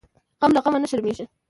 غم له غمه نه شرمیږي .